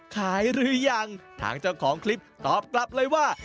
หรือยังทางเจ้าของคลิปตอบกลับเลยว่า